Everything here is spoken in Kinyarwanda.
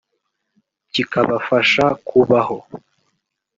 kikabafasha kubaho